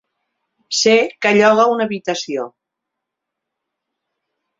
Sé que lloga una habitació.